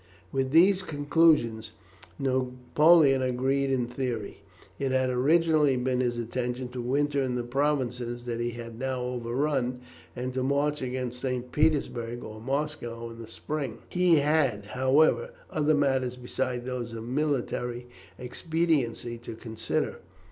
With these conclusions Napoleon agreed in theory. It had originally been his intention to winter in the provinces that he had now overrun, and to march against St. Petersburg or Moscow in the spring. He had, however, other matters besides those of military expediency to consider.